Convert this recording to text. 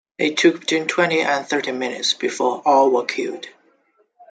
It took between twenty and thirty minutes before all were killed.